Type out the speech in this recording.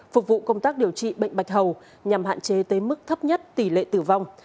phục vụ công tác điều trị bệnh bạch hầu nhằm hạn chế tới mức thấp nhất tỷ lệ tử vong